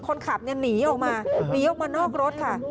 คนขับเนี่ยหนีออกมาหนีออกมานอกรถค่ะ